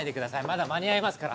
まだ間に合いますから。